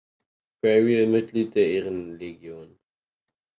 Prairial Mitglied der Ehrenlegion.